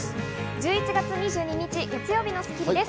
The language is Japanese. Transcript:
１１月２２日、月曜日の『スッキリ』です。